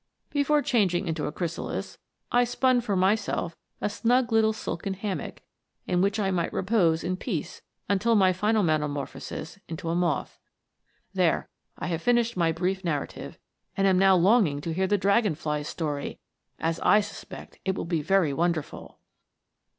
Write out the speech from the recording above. Before changing into a chrysalis, I spun for myself a snug little silken hammock, in which I might repose in peace until my final metamorphosis into a moth. There, I have finished my brief narrative, and am now long ing to hear the dragon fly's story, as I suspect it will be very wonderful."